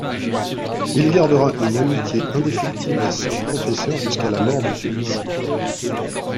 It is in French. Il gardera une amitié indéfectible à son professeur jusqu'à la mort de celui-ci.